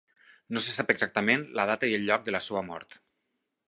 No se sap exactament la data i el lloc de la seva mort.